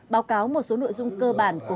báo cáo một số nội dung cơ bản của